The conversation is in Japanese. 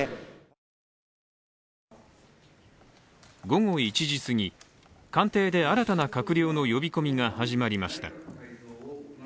午後１時すぎ、官邸で新たな閣僚の呼び込みが始まりました。